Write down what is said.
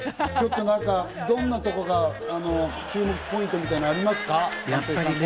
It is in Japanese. どんなところが注目ポイントみたいなのありますか？